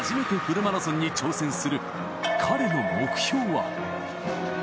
初めてフルマラソンに挑戦する彼の目標は。